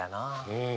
うん。